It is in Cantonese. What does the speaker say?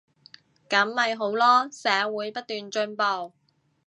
噉咪好囉，社會不斷進步